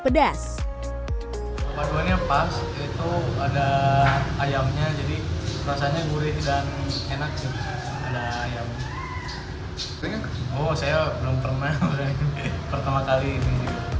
pedas ada ayamnya jadi rasanya gurih dan enak ada ayam oh saya belum pernah pertama kali ini